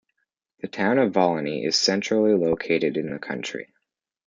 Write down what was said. The Town of Volney is centrally located in the county.